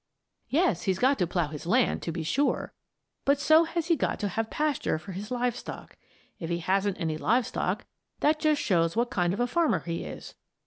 Yes, he's got to plough his land, to be sure; but so has he got to have pasture for his live stock. If he hasn't any live stock, that just shows what kind of a farmer he is.